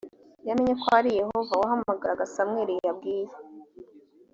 yamenye ko ari yehova wahamagaraga samweli yabwiye